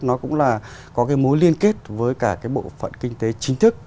nó cũng là có cái mối liên kết với cả cái bộ phận kinh tế chính thức